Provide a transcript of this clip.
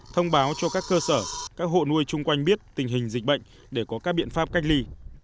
thông báo cho các cơ sở các hộ nuôi chung quanh biết tình hình dịch bệnh để có các biện pháp cách ly